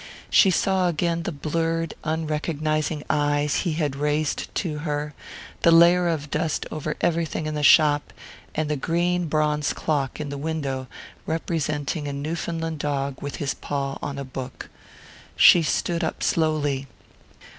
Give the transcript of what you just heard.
She saw again the blurred unrecognizing eyes he had raised to her, the layer of dust over everything in the shop, and the green bronze clock in the window representing a Newfoundland dog with his paw on a book. She stood up slowly.